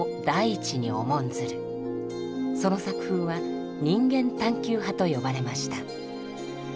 その作風は「人間探求派」と呼ばれました。